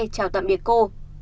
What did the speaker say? chào tạm biệt cô